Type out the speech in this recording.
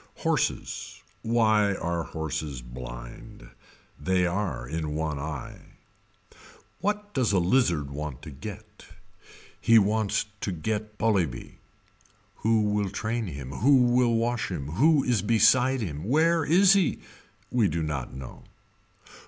Horses. Why are horses blind. They are in one eye. What does a lizard want to get. He wants to get Polybe. Who will train him, who will wash him. Who is beside him. Where is he. We do not know.